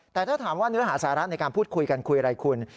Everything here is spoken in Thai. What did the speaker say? แต่ถ้าถามว่าเนื้อหาสาระในการพูดคุยกันคุยอะไรคุณ